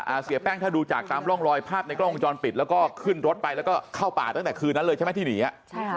เสียแป้งถ้าดูจากตามร่องรอยภาพในกล้องวงจรปิดแล้วก็ขึ้นรถไปแล้วก็เข้าป่าตั้งแต่คืนนั้นเลยใช่ไหมที่หนีอ่ะใช่ค่ะ